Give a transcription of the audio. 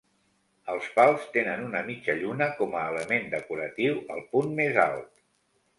Els pals tenen una mitja lluna com a element decoratiu al punt més alt.